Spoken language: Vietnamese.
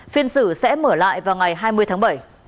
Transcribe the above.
phiên xử sẽ mở lại vào ngày hai mươi tháng bảy